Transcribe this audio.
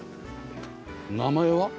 名前は？